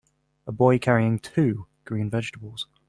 A boy carrying two green vegetables.